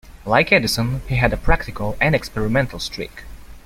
Like Edison, he had a practical and experimental streak.